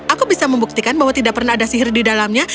aku bisa membuktikan bahwa tidak pernah ada sihir di dalamnya